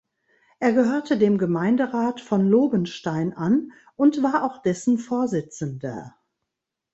Er gehörte dem Gemeinderat von Lobenstein an und war auch dessen Vorsitzender.